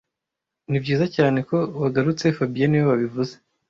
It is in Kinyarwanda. Nibyiza cyane ko wagarutse fabien niwe wabivuze